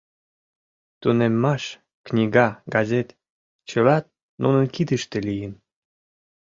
Тунеммаш, книга, газет — чыла нунын кидыште лийын.